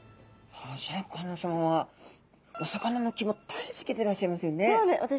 さあシャーク香音さまはお魚の肝大好きでいらっしゃいますよね。